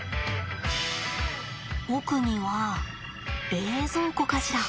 奧には冷蔵庫かしら。